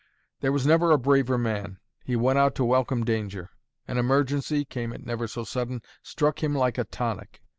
There was never a braver man: he went out to welcome danger; an emergency (came it never so sudden) strung him like a tonic.